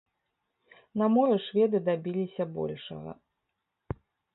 На моры шведы дабіліся большага.